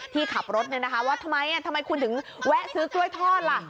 ที่ขับรถว่าทำไมคุณถึงแวะซื้อกล้วยทอดล่ะ